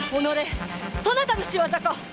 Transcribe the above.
そなたの仕業か！